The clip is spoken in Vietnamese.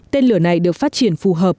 tên lửa này được phát triển phù hợp